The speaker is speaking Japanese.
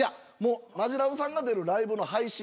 マヂラブさんが出るライブの配信